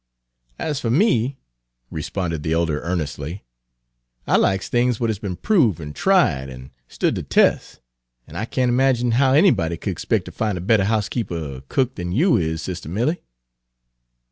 "Ez fer me," responded the elder earnestly, "I likes things what has be'n prove' an' tried an' has stood de tes', an' I can't 'magine how anybody could spec' ter fin' a better housekeeper er cook dan you is, Sis' Milly.